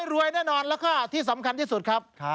รวยแน่นอนแล้วก็ที่สำคัญที่สุดครับ